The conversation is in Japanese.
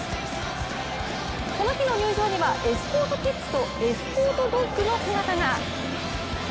この日の入場には、エスコートキッズとエスコートドッグの姿が。